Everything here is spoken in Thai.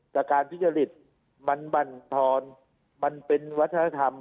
แต่การพุทธฤทธิ์มันบรรทรมันเป็นวัฒนธรรม